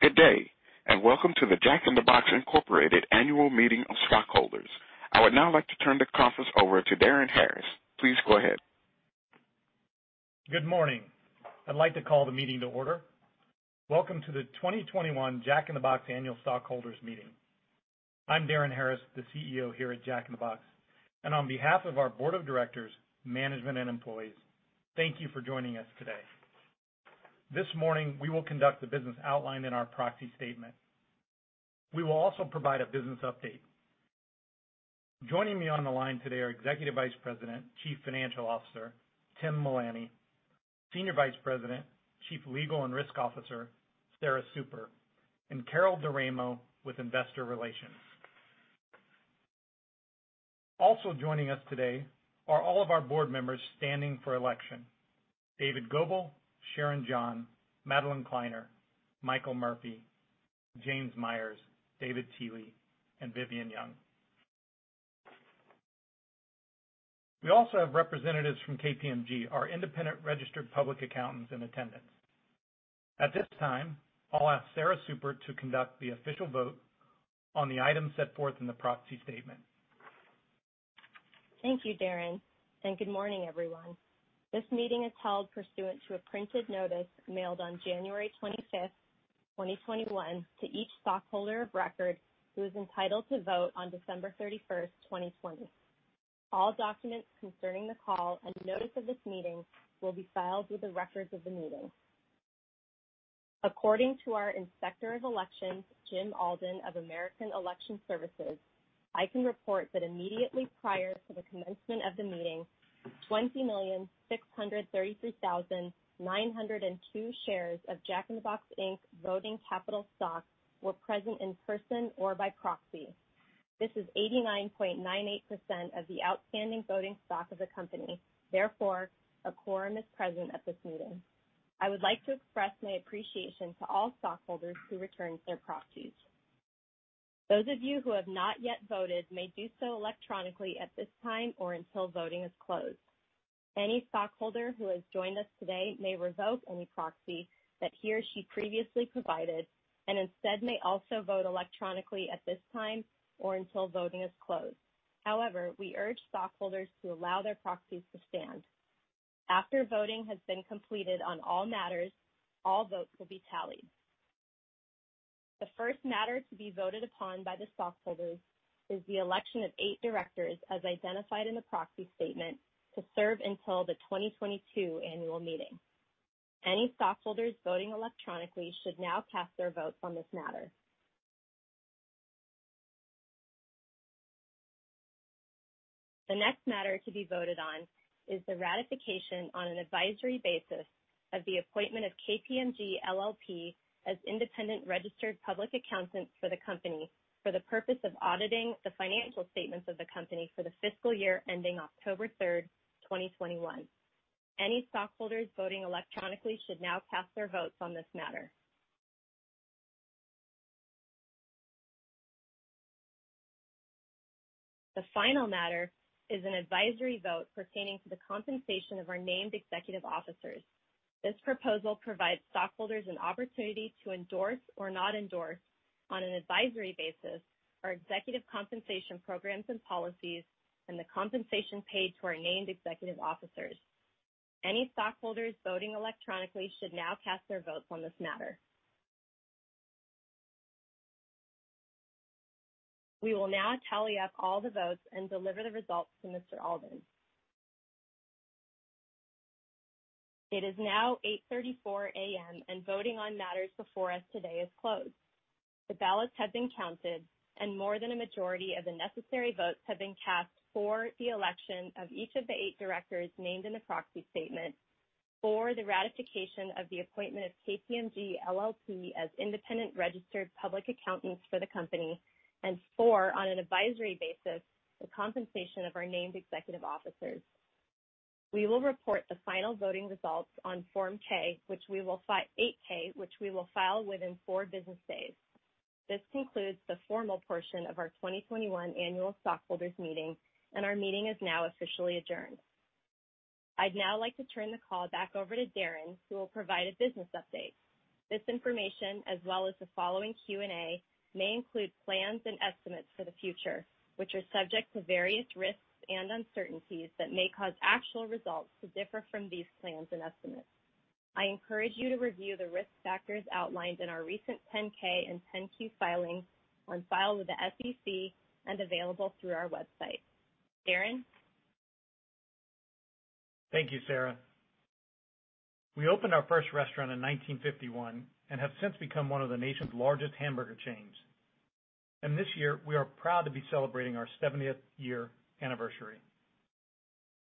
Good day, and welcome to the Jack in the Box Incorporated annual meeting of stockholders. I would now like to turn the conference over to Darin Harris. Please go ahead. Good morning. I'd like to call the meeting to order. Welcome to the 2021 Jack in the Box Annual Stockholders Meeting. I'm Darin Harris, the CEO here at Jack in the Box, and on behalf of our board of directors, management, and employees, thank you for joining us today. This morning, we will conduct the business outlined in our proxy statement. We will also provide a business update. Joining me on the line today are Executive Vice President, Chief Financial Officer, Tim Mullany, Senior Vice President, Chief Legal and Risk Officer, Sarah Super, and Carol DiRaimo with Investor Relations. Also joining us today are all of our board members standing for election, David Goebel, Sharon John, Madeleine Kleiner, Michael Murphy, James Myers, David Tilley, and Vivianna Young. We also have representatives from KPMG, our independent registered public accountants, in attendance. At this time, I'll ask Sarah Super to conduct the official vote on the items set forth in the proxy statement. Thank you, Darin, and good morning, everyone. This meeting is held pursuant to a printed notice mailed on January 25th, 2021, to each stockholder of record who is entitled to vote on December 31st, 2020. All documents concerning the call and notice of this meeting will be filed with the records of the meeting. According to our Inspector of Elections, Jim Alden of American Election Services, I can report that immediately prior to the commencement of the meeting, 20,633,902 shares of Jack in the Box Inc. voting capital stocks were present in person or by proxy. This is 89.98% of the outstanding voting stock of the company. Therefore, a quorum is present at this meeting. I would like to express my appreciation to all stockholders who returned their proxies. Those of you who have not yet voted may do so electronically at this time or until voting is closed. Any stockholder who has joined us today may revoke any proxy that he or she previously provided, and instead may also vote electronically at this time, or until voting is closed. However, we urge stockholders to allow their proxies to stand. After voting has been completed on all matters, all votes will be tallied. The first matter to be voted upon by the stockholders is the election of eight directors as identified in the proxy statement to serve until the 2022 annual meeting. Any stockholders voting electronically should now cast their votes on this matter. The next matter to be voted on is the ratification on an advisory basis of the appointment of KPMG LLP as independent registered public accountants for the company for the purpose of auditing the financial statements of the company for the fiscal year ending October 3rd, 2021. Any stockholders voting electronically should now cast their votes on this matter. The final matter is an advisory vote pertaining to the compensation of our named executive officers. This proposal provides stockholders an opportunity to endorse or not endorse, on an advisory basis, our executive compensation programs and policies and the compensation paid to our named executive officers. Any stockholders voting electronically should now cast their votes on this matter. We will now tally up all the votes and deliver the results to Mr. Alden. It is now 8:34 A.M., and voting on matters before us today is closed. The ballots have been counted, and more than a majority of the necessary votes have been cast for the election of each of the eight directors named in the proxy statement, for the ratification of the appointment of KPMG LLP as independent registered public accountants for the company, and for, on an advisory basis, the compensation of our named executive officers. We will report the final voting results on Form 8-K, which we will file within four business days. This concludes the formal portion of our 2021 annual stockholders meeting, and our meeting is now officially adjourned. I'd now like to turn the call back over to Darin, who will provide a business update. This information, as well as the following Q&A, may include plans and estimates for the future, which are subject to various risks and uncertainties that may cause actual results to differ from these plans and estimates. I encourage you to review the risk factors outlined in our recent 10-K and 10-Q filings on file with the SEC and available through our website. Darin? Thank you, Sarah. We opened our first restaurant in 1951 and have since become one of the nation's largest hamburger chains. This year, we are proud to be celebrating our 70th year anniversary.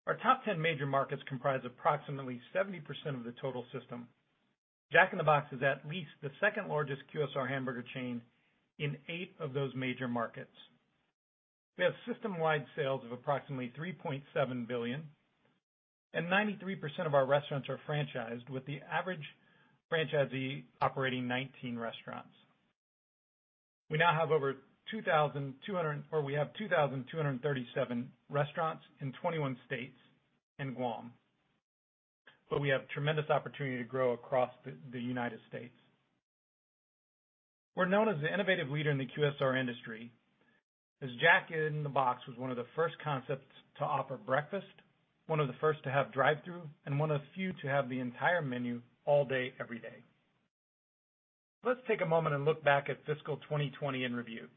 Our top 10 major markets comprise approximately 70% of the total system. Jack in the Box is at least the second largest QSR hamburger chain in eight of those major markets. We have system-wide sales of approximately $3.7 billion. 93% of our restaurants are franchised, with the average franchisee operating 19 restaurants. We now have 2,237 restaurants in 21 states and Guam. We have tremendous opportunity to grow across the U.S. We're known as the innovative leader in the QSR industry, as Jack in the Box was one of the first concepts to offer breakfast, one of the first to have drive-through, and one of the few to have the entire menu all day, every day. Let's take a moment and look back at fiscal 2020 in review.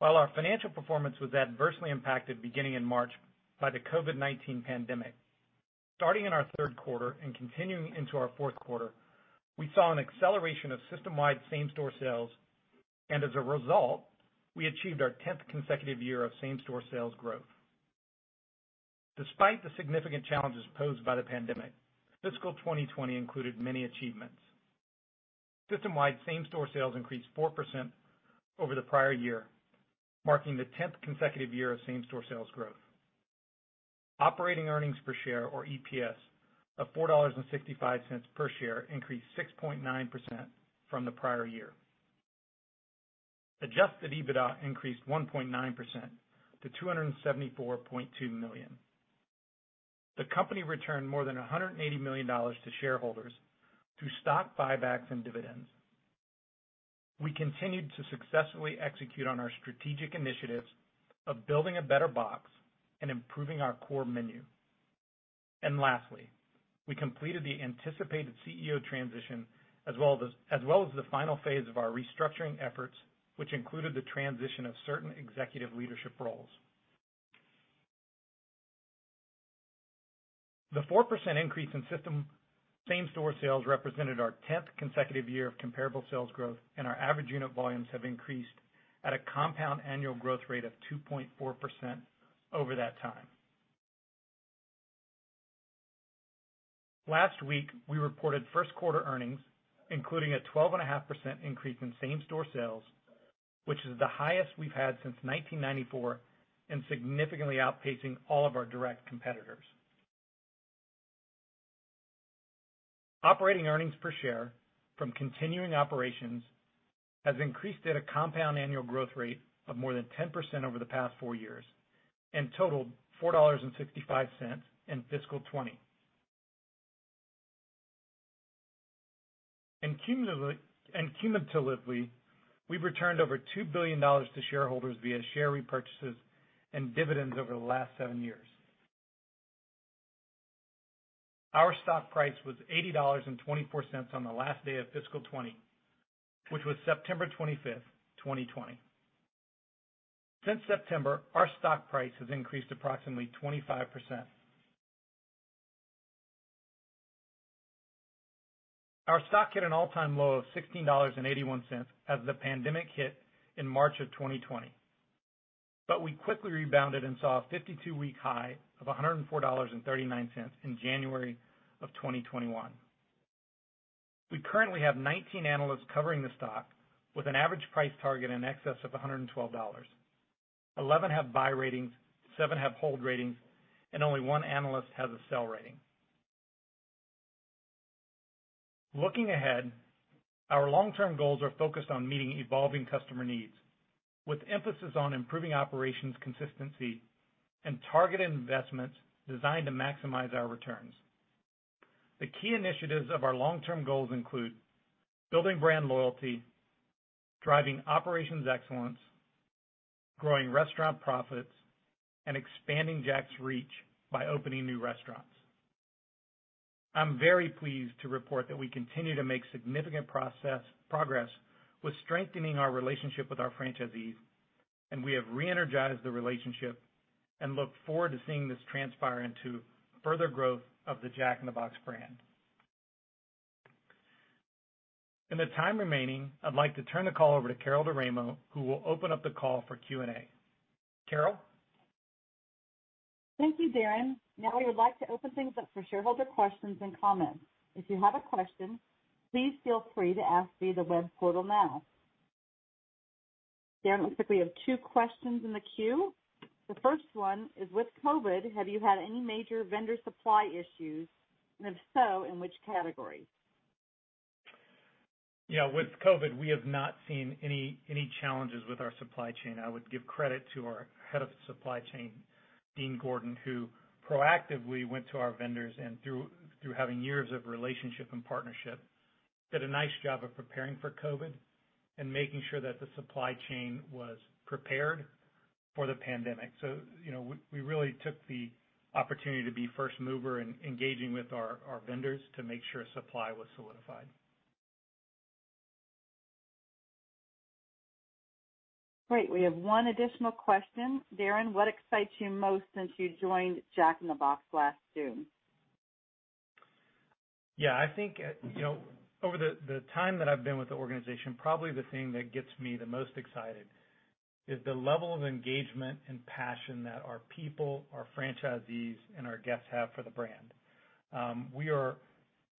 While our financial performance was adversely impacted beginning in March by the COVID-19 pandemic, starting in our third quarter and continuing into our fourth quarter, we saw an acceleration of system-wide same-store sales, and as a result, we achieved our tenth consecutive year of same-store sales growth. Despite the significant challenges posed by the pandemic, fiscal 2020 included many achievements. System-wide same-store sales increased 4% over the prior year, marking the tenth consecutive year of same-store sales growth. Operating earnings per share, or EPS, of $4.65 per share increased 6.9% from the prior year. Adjusted EBITDA increased 1.9% - $274.2 million. The company returned more than $180 million to shareholders through stock buybacks and dividends. We continued to successfully execute on our strategic initiatives of building a better box and improving our core menu. Lastly, we completed the anticipated CEO transition, as well as the final phase of our restructuring efforts, which included the transition of certain executive leadership roles. The 4% increase in system same-store sales represented our tenth consecutive year of comparable sales growth, and our average unit volumes have increased at a compound annual growth rate of 2.4% over that time. Last week, we reported first quarter earnings, including a 12.5% increase in same-store sales, which is the highest we've had since 1994 and significantly outpacing all of our direct competitors. Operating earnings per share from continuing operations has increased at a compound annual growth rate of more than 10% over the past four years and totaled $4.65 in fiscal 2020. Cumulatively, we've returned over $2 billion to shareholders via share repurchases and dividends over the last seven years. Our stock price was $80.24 on the last day of fiscal 2020, which was September 25th, 2020. Since September, our stock price has increased approximately 25%. Our stock hit an all-time low of $16.81 as the pandemic hit in March 2020. We quickly rebounded and saw a 52 week high of $104.39 in January 2021. We currently have 19 analysts covering the stock, with an average price target in excess of $112. 11 have buy ratings, seven have hold ratings, only one analyst has a sell rating. Looking ahead, our long-term goals are focused on meeting evolving customer needs, with emphasis on improving operations consistency and targeted investments designed to maximize our returns. The key initiatives of our long-term goals include building brand loyalty, driving operations excellence, growing restaurant profits, and expanding Jack's reach by opening new restaurants. I'm very pleased to report that we continue to make significant progress with strengthening our relationship with our franchisees, and we have re-energized the relationship and look forward to seeing this transpire into further growth of the Jack in the Box brand. In the time remaining, I'd like to turn the call over to Carol DiRaimo, who will open up the call for Q&A. Carol? Thank you, Darin. I would like to open things up for shareholder questions and comments. If you have a question, please feel free to ask via the web portal now. Darin, it looks like we have two questions in the queue. The first one is, "With COVID, have you had any major vendor supply issues, and if so, in which category? Yeah. With COVID, we have not seen any challenges with our supply chain. I would give credit to our head of supply chain, Dean Gordon, who proactively went to our vendors and through having years of relationship and partnership, did a nice job of preparing for COVID and making sure that the supply chain was prepared for the pandemic. We really took the opportunity to be first mover in engaging with our vendors to make sure supply was solidified. Great. We have one additional question. Darin, what excites you most since you joined Jack in the Box last June? Yeah, I think over the time that I've been with the organization, probably the thing that gets me the most excited is the level of engagement and passion that our people, our franchisees, and our guests have for the brand. We are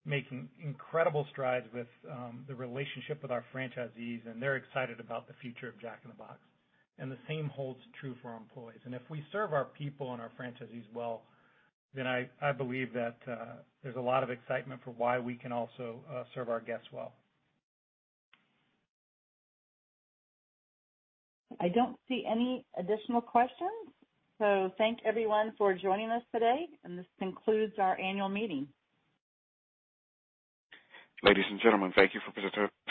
making incredible strides with the relationship with our franchisees, and they're excited about the future of Jack in the Box, and the same holds true for our employees. If we serve our people and our franchisees well, then I believe that there's a lot of excitement for why we can also serve our guests well. I don't see any additional questions, so thank everyone for joining us today, and this concludes our annual meeting. Ladies and gentlemen, thank you for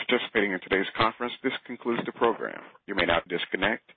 participating in today's conference. This concludes the program. You may now disconnect.